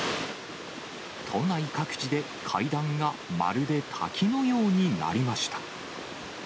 都内各地で階段がまるで滝のようになりました。